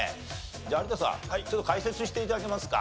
じゃあ有田さんちょっと解説して頂けますか？